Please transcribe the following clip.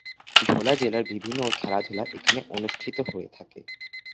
ভোলা জেলার বিভিন্ন খেলাধুলা এখানে অনুষ্ঠিত হয়ে থাকে।